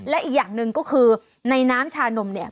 และอีกอย่างหนึ่งก็คือในน้ำชานมเนี่ย